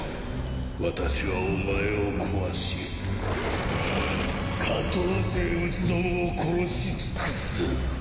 私はお前を壊し下等生物どもを殺し尽くす。